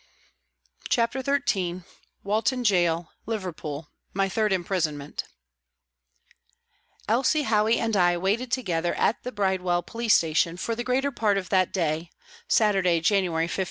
CHAPTER XIII WALTON GAOL, LIVERPOOL : MY THIRD IMPRISONMENT ELSIE HOWEY and I waited together at the Bride well Police Station for the greater part of that day (Saturday, January 15).